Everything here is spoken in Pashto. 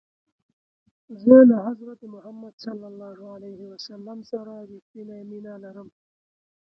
زه له حضرت محمد ص سره رښتنی مینه لرم.